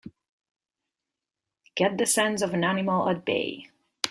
Get the sense of an animal at bay!